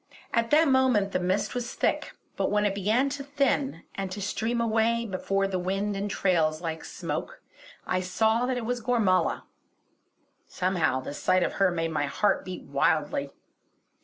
At that moment the mist was thick; but when it began to thin, and to stream away before the wind in trails like smoke, I saw that it was Gormala. Somehow the sight of her made my heart beat wildly.